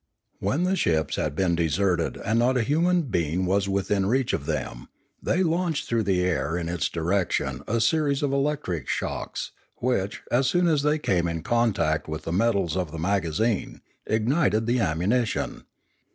When the ships had been deserted and not a human being was within reach of them, they launched through the air in its direction a series of electric shocks, which, as soon as they came in contact with the metals of the magazine, ignited the ammuni tion.